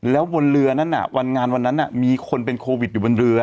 แล้วบนเรือนั้นวันงานวันนั้นมีคนเป็นโควิดอยู่บนเรือ